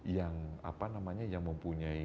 yang apa namanya yang mempunyai